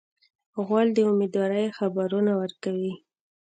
غول د امیندوارۍ خبرونه ورکوي.